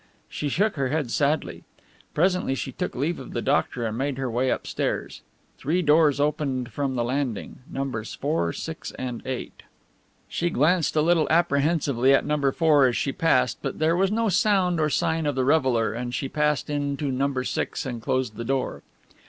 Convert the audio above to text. She shook her head sadly. Presently she took leave of the doctor and made her way upstairs. Three doors opened from the landing. Numbers 4, 6 and 8. She glanced a little apprehensively at No. 4 as she passed, but there was no sound or sign of the reveller, and she passed into No. 6 and closed the door.